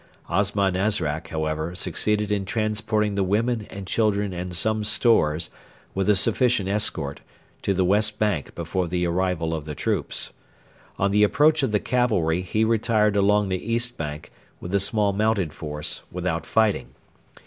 Osman Azrak, however, succeeded in transporting the women and children and some stores, with a sufficient escort, to the west bank before the arrival of the troops. On the approach of the cavalry he retired along the east bank, with a small mounted force, without fighting.